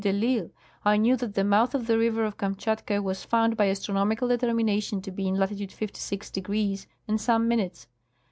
de I'Isle, I knew that the mouth of the river of Kamtehatka was found by astronomical determi nation to be in latitude 56° and some minutes.